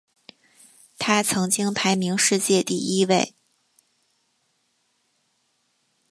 他曾经排名世界第一位。